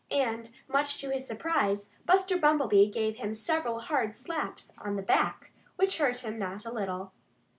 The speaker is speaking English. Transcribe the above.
And much to his surprise, Buster Bumblebee gave him several hard slaps on the back, which hurt him not a little.